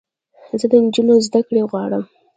زه د انجونوو زدکړې غواړم